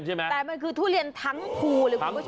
ใช่ไหมแต่มันคือทุเรียนทั้งภูเลยคุณผู้ชม